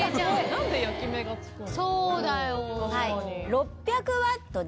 何で焼き目がつくの？